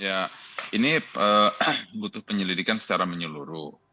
ya ini butuh penyelidikan secara menyeluruh